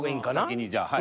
先にじゃあはい。